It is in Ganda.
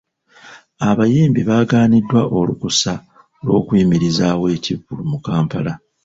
Abayimbi bagaaniddwa olukusa lw'okuyimirizaawo ekivvulu mu Kampala.